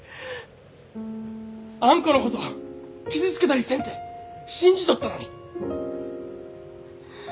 あんこのこと傷つけたりせんて信じとったのに。